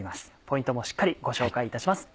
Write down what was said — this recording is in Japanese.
ポイントもしっかりご紹介いたします。